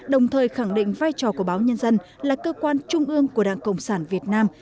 đồng thời khẳng định vai trò của báo nhân dân là cơ quan trung ương của đảng cộng sản việt nam